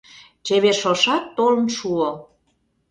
Чевер шошат толын шуо.